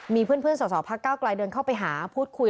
มีเพื่อนสอสอพักเก้าไกลเดินเข้าไปหาพูดคุย